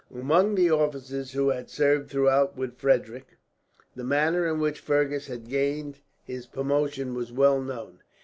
Among the officers who had served throughout with Frederick, the manner in which Fergus had gained his promotion was well known.